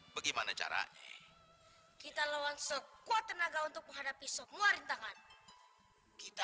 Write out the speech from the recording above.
bagaimana caranya kita lawan sekuat tenaga untuk menghadapi sop ngeluarin tangan kita